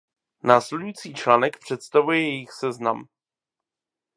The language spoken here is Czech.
Následující článek představuje jejich seznam.